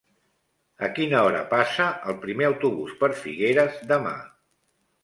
A quina hora passa el primer autobús per Figueres demà?